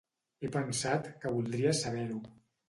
He pensat que voldries saber-ho”.